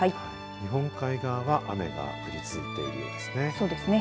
日本海側は雨が降り続いているようですね。